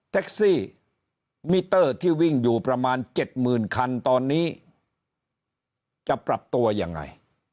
แท็กซี่มิเตอร์ที่วิ่งอยู่ประมาณ๗๐๐คันตอนนี้จะปรับตัวยังไง